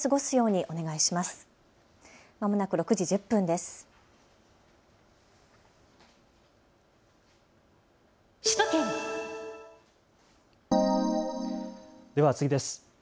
では次です。